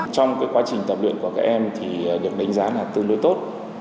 trong quá trình tập luyện của các em thì được đánh giá là tương đối tốt